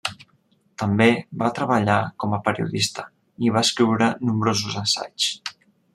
També va treballar com a periodista, i va escriure nombrosos assaigs.